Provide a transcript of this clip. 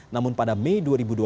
namun pada mei dua ribu dua puluh